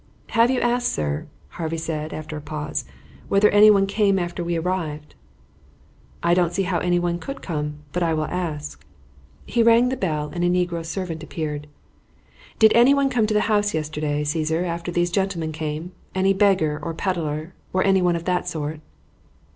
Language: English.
"Have you asked, sir," Harvey said, after a pause, "whether anyone came after we had arrived?" "I do not see how anyone could come, but I will ask." He rang the bell and a negro servant appeared. "Did anyone come to the house yesterday, Caesar, after these gentleman came any beggar or peddler, or anyone of that sort?"